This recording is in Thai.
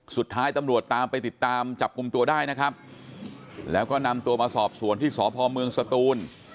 สุดท้ายตำรวจตามไปติดตามจับกลุ่มตัวได้นะครับแล้วก็นำตัวมาสอบสวนที่สพเมืองสตูน